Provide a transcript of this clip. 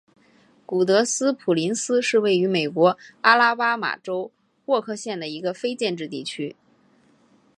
古德斯普林斯是位于美国阿拉巴马州沃克县的一个非建制地区。